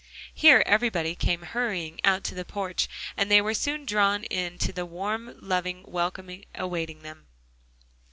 Here everybody came hurrying out to the porch, and they were soon drawn into the warm loving welcome awaiting them.